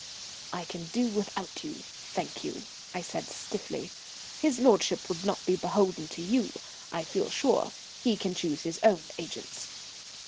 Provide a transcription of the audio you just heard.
"We can do without you, thank you," I said stiffly. "His lordship would not be beholden to you, I feel sure. He can choose his own agents."